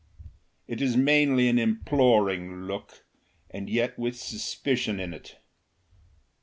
It is mainly an imploring look and yet with suspicion in it.